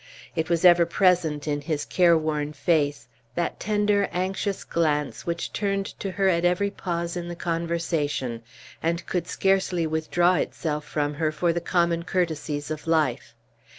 It was ever present in his careworn face, that tender, anxious glance which turned to her at every pause in the conversation, and could scarcely withdraw itself from her for the common courtesies of life.